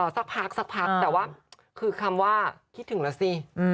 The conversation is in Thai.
สักพักสักพักแต่ว่าคือคำว่าคิดถึงแล้วสิ